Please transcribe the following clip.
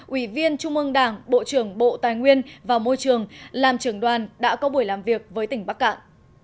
ủy viên trung ương đảng bộ trưởng bộ tài nguyên và môi trường làm trưởng đoàn đã có buổi làm việc với tỉnh bắc cạn